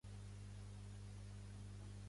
Pertany al moviment independentista la Zoe?